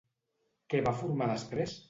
Què va formar després?